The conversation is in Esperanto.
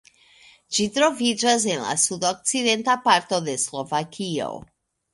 Ĝi troviĝas en la sudokcidenta parto de Slovakio.